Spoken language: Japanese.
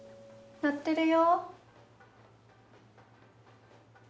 鳴ってるよ。